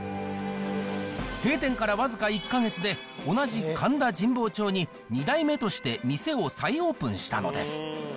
閉店から僅か１か月で、同じ神田神保町に２代目として店を再オープンしたのです。